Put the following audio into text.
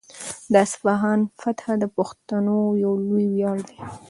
د اصفهان فتحه د پښتنو یو لوی ویاړ دی.